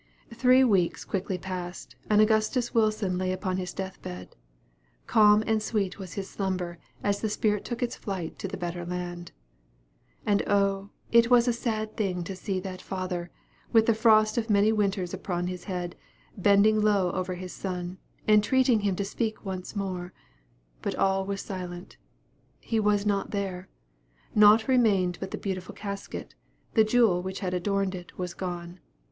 Three weeks quickly passed, and Augustus Wilson lay upon his death bed. Calm and sweet was his slumber, as the spirit took its flight to the better land. And O, it was a sad thing to see that father, with the frost of many winters upon his head, bending low over his son, entreating him to speak once more; but all was silent. He was not there; nought remained but the beautiful casket; the jewel which had adorned it was gone.